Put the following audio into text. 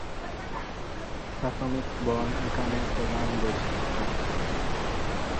প্রাথমিক বন এখানে প্রধান বৈশিষ্ট্য।